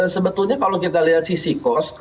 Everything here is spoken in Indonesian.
sebetulnya kalau kita lihat sisi cost